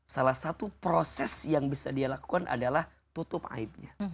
salah satu proses yang bisa dia lakukan adalah tutup aibnya